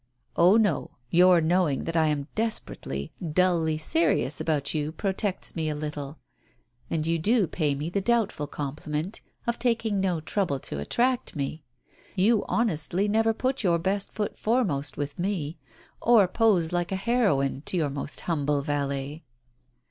"Oh, no. Your knowing that I am desperately, dully serious about you protects me a little, and you do pay me the doubtful compliment of taking no trouble to attract me. You honestly never put your best foot fore most with me, or pose like a heroine to your most humble valet."